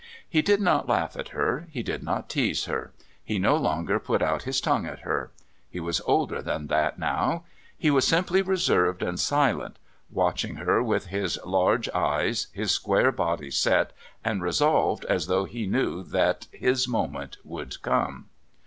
He did not laugh at her, he did not tease her, he no longer put out his tongue at her. He was older than that now he was simply reserved and silent, watching her with his large eyes, his square body set, and resolved as though he knew that his moment would come.